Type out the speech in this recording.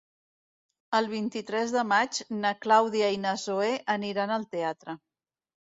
El vint-i-tres de maig na Clàudia i na Zoè aniran al teatre.